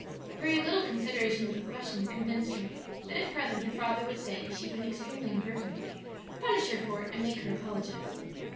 A very little consideration of the question convinced her that if present her father would say she had been extremely impertinent, punish her for it, and make her apologize.